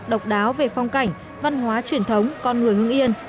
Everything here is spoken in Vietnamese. độc đáo về phong cảnh văn hóa truyền thống con người hương yên